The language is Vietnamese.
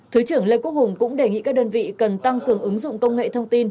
thứ trưởng lê quốc hùng cũng đề nghị các đơn vị cần tăng cường ứng dụng công nghệ thông tin